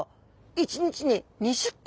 １日に２０個！？